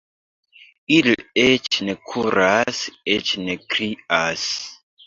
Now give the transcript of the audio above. Ili eĉ ne kuras, eĉ ne krias.